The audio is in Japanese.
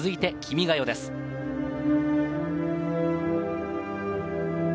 続いて『君が代』です。